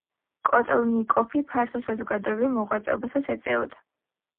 კოტელნიკოვი ფართო საზოგადოებრივ მოღვაწეობასაც ეწეოდა.